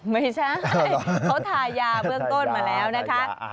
ไม่ใช่เขาทายาเบื้องต้นมาแล้วนะคะ